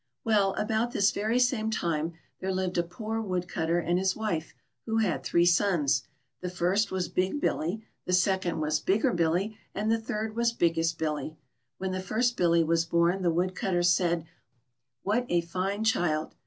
Well, about this very same time there lived a poor Woodcutter and his wife, who had three sons. The first was big Billy, the second was bigger Billy, and the third was biggest Billy. When the first Billy was born, the Woodcutter said :" What a fine child."